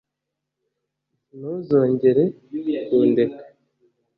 ntuzongere kundeka